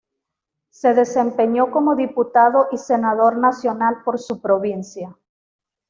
Se desempeñó como Diputado y Senador nacional por su provincia.